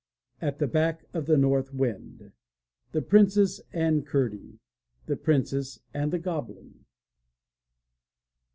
At the Back oj the North Wind. The Princess and Curdie. The Princess and the Goblin.